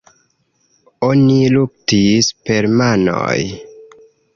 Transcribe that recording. Oni luktis per manoj.